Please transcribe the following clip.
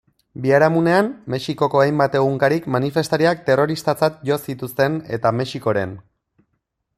Biharamunean, Mexikoko hainbat egunkarik manifestariak terroristatzat jo zituzten eta Mexikoren.